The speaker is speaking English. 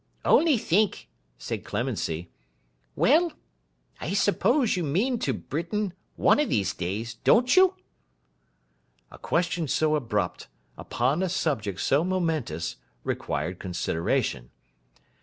'Only think!' said Clemency. 'Well!—I suppose you mean to, Britain, one of these days; don't you?' A question so abrupt, upon a subject so momentous, required consideration.